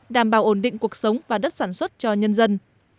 đảm bảo ổn định cuộc sống và đất sản xuất cho nhân dân